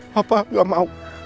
papa gak mau